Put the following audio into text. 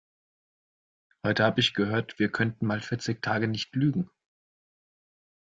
Heute habe ich gehört, wir könnten mal vierzig Tage nicht lügen.